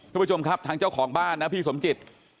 คุณผู้ชมครับทางเจ้าของบ้านนะพี่สมจิต